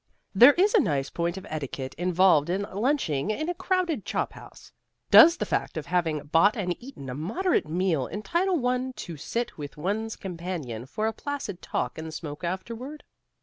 There is a nice point of etiquette involved in lunching in a crowded chop house. Does the fact of having bought and eaten a moderate meal entitle one to sit with one's companion for a placid talk and smoke afterward?